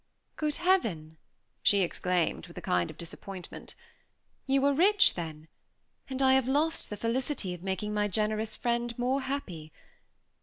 "Good Heaven!" she exclaimed, with a kind of disappointment. "You are rich, then? and I have lost the felicity of making my generous friend more happy.